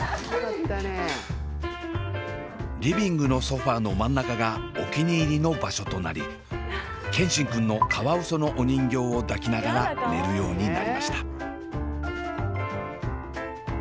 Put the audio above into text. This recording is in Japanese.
リビングのソファーの真ん中がお気に入りの場所となり健新くんのカワウソのお人形を抱きながら寝るようになりました。